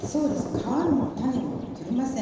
皮も種も取りません。